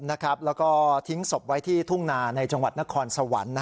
แล้วก็ทิ้งศพไว้ที่ทุ่งนาในจังหวัดนครสวรรค์